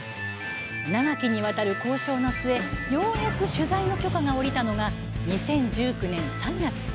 長きにわたる交渉の末ようやく取材の許可が下りたのが２０１９年３月。